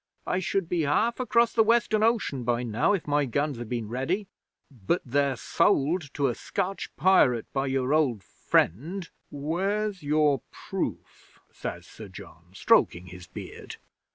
"I should be half across the Western Ocean by now if my guns had been ready. But they're sold to a Scotch pirate by your old friend " '"Where's your proof?" says Sir John, stroking his beard.